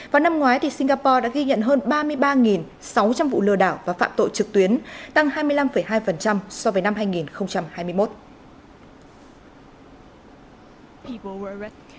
vào năm ngoái singapore đã ghi nhận hơn ba mươi ba sáu trăm linh vụ lừa đảo và phạm tội trực tuyến tăng hai mươi năm hai so với năm hai nghìn hai mươi một